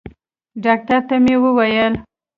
ډاکتر ته مې وويل.